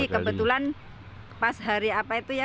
kebetulan pas hari apa itu ya